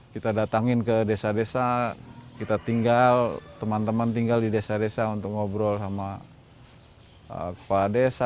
kita datangin ke desa desa kita tinggal teman teman tinggal di desa desa untuk ngobrol sama kepala desa